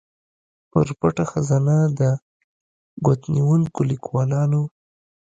پر پټه خزانه د ګوتنیونکو ليکوالانو